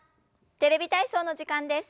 「テレビ体操」の時間です。